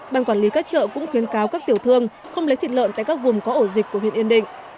ban quản lý các chợ cũng khuyến cáo các tiểu thương không lấy thịt lợn tại các vùng có ổ dịch của huyện yên định